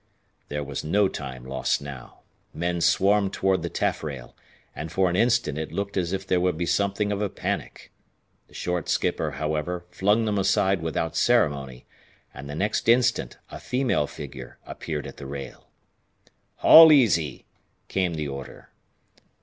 There was no time lost now. Men swarmed toward the taffrail, and for an instant it looked as if there would be something of a panic. The short skipper, however, flung them aside without ceremony, and the next instant a female figure appeared at the rail. "Haul easy," came the order.